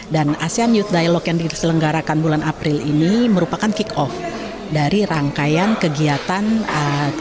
dan asean youth dialogue yang diselenggarakan bulan april ini merupakan kick off dari rangkaian kegiatan asean youth dialogue